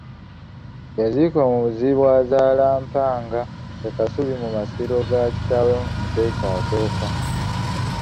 Yaziikibwa mu Muzibu-azaala-Mpanga e Kasubi mu masiro ga kitaawe Mutesa I.